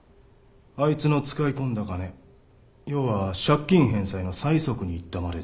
あいつの使い込んだ金要は借金返済の催促に行ったまでですよ。